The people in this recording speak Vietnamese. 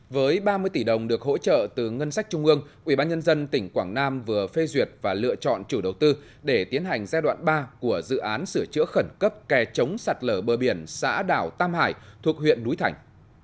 với ba mươi tỷ đồng được hỗ trợ từ ngân sách trung ương ubnd tỉnh quảng nam vừa phê duyệt và lựa chọn chủ đầu tư để tiến hành giai đoạn ba của dự án sửa chữa khẩn cấp kè chống sạt lở bờ biển xã đảo tam hải thuộc huyện núi thành